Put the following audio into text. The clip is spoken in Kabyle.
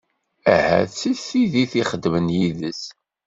Ahat si tid i ixeddmen yid-s?